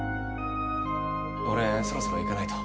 俺そろそろ行かないと。